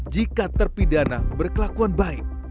jika terpidana berkelakuan baik